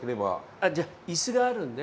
あじゃあ椅子があるんで。